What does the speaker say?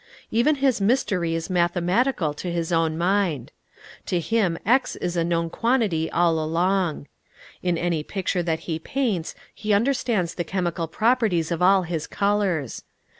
Even his mystery is mathematical to his own mind. To him X is a known quantity all along. In any picture that he paints he understands the chemical properties of all his colors.